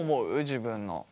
自分の。